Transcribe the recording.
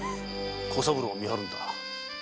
小三郎を見張るのだ。